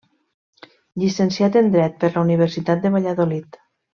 Llicenciat en Dret per la Universitat de Valladolid.